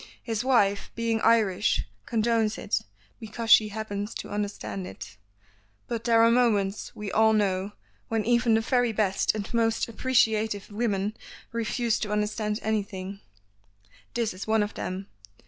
His wife, being Irish, condones it, because she happens to understand it, but there are moments, we all know, when even the very best and most appreciative women refuse to understand anything. This is one of them.